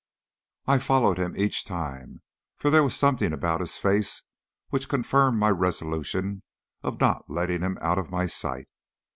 I followed him each time, for there was something about his face which confirmed my resolution of not letting him out of my sight.